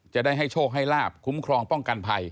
จะได้ให้โชคให้ลาบคุ้มครองป้องกันภัย